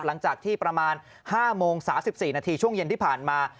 หลังจากที่ประมาณ๕โมง๓๔นาทีช่วงเย็นที่ผ่านมา